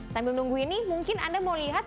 sambil nunggu ini mungkin anda mau lihat